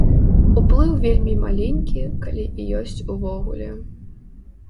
Уплыў вельмі маленькі, калі і ёсць увогуле.